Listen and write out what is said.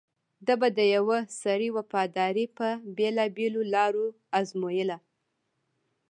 ده به د یوه سړي وفاداري په بېلابېلو لارو ازمویله.